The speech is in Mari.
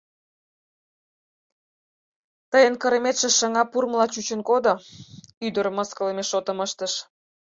— Тыйын кырыметше шыҥа пурлмыла чучын кодо, — ӱдыр мыскылыме шотым ыштыш.